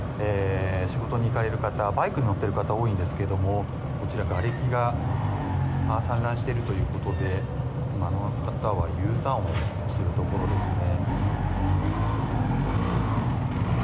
仕事に行かれる方バイクに乗っている方が多いんですけども、がれきが散乱しているということであの方はＵターンをするところですね。